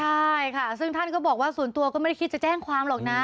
ใช่ค่ะซึ่งท่านก็บอกว่าส่วนตัวก็ไม่ได้คิดจะแจ้งความหรอกนะ